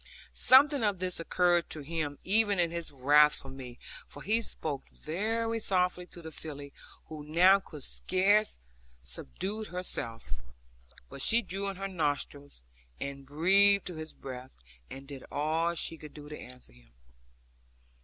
Something of this occurred to him even in his wrath with me, for he spoke very softly to the filly, who now could scarce subdue herself; but she drew in her nostrils, and breathed to his breath and did all she could to answer him.